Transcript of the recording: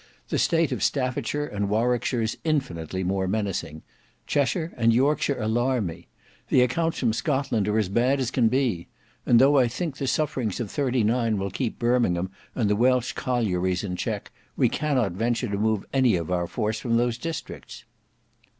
The state of Staffordshire and Warwickshire is infinitely more menacing. Cheshire and Yorkshire alarm me. The accounts from Scotland are as bad as can be. And though I think the sufferings of '39 will keep Birmingham and the Welch collieries in check, we cannot venture to move any of our force from those districts."